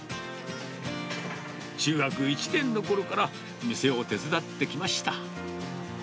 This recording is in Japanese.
中学１年のころから店を手伝ってきました。